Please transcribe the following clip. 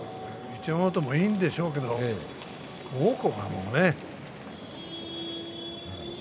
一山本もいいんでしょうけれども王鵬はね。